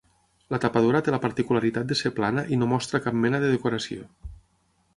La tapadora té la particularitat de ser plana i no mostra cap mena de decoració.